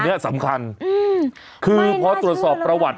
เนี้ยสำคัญอืมคือพอตรวจสอบประวัติ